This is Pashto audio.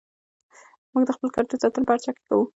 موږ د خپل کلتور ساتنه په هر حال کې کوو.